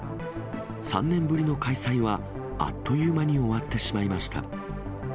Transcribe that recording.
３年ぶりの開催はあっという間に終わってしまいました。